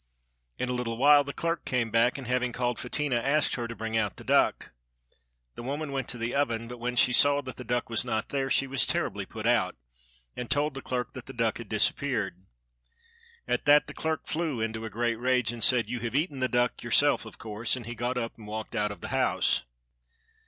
In a little while the clerk came back, and, having called Fetinia, asked her to bring out the duck. The woman went to the oven, but when she saw that the duck was not there, she was terribly put out, and told the clerk that the duck had disappeared. At that the clerk flew into a great rage, and said— "You have eaten the duck yourself, of course," and he got up and walked out of the house.